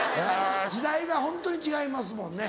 時代がホントに違いますもんね。